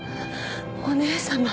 お義姉様。